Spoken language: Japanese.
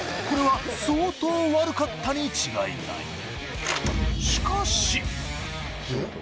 ［これは相当悪かったに違いない］